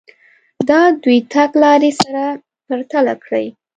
دا دوې تګ لارې سره پرتله کړئ.